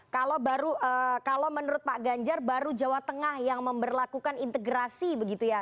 kalau menurut pak ganjar baru jawa tengah yang memperlakukan integrasi begitu ya